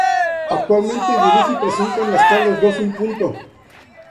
Actualmente dirige y presenta en las tardes "Dos y punto".